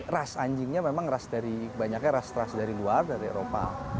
ras anjingnya memang ras dari banyaknya ras ras dari luar dari eropa